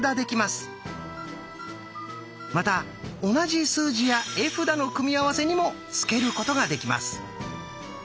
また同じ数字や絵札の組み合わせにも付けることができます。